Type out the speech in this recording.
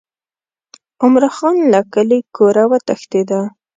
عمرا خان له کلي کوره وتښتېد.